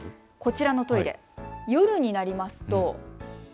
こちらのトイレ、夜になりますと。